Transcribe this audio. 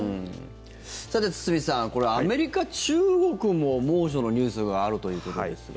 さて、堤さんこれ、アメリカ、中国も猛暑のニュースがあるということですが。